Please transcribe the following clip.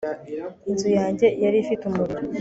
Inzu yanjye yari ifite umuriro